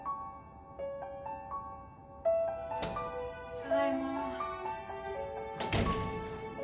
ただいま。